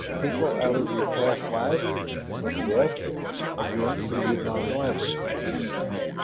"People out of your past life?" "Yes." Again he did not elaborate.